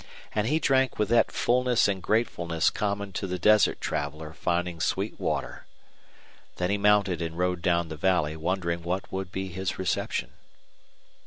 And he drank with that fullness and gratefulness common to the desert traveler finding sweet water. Then he mounted and rode down the valley wondering what would be his reception.